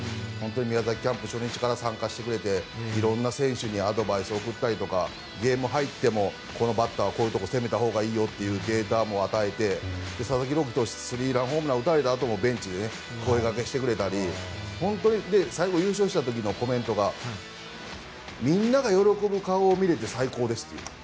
宮崎キャンプ初日から参加してくれていろいろな選手にアドバイスを送ったりとかゲーム入ってもこのバッターはこういうところ攻めたほうがいいよとデータも与えて佐々木朗希投手がスリーランホームラン打たれたあとも声掛けしてくれたり最後、優勝した時のコメントがみんなが喜ぶ顔を見れて最高ですという。